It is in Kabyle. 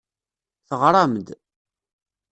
Teɣram-d.